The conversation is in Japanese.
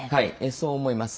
そう思います。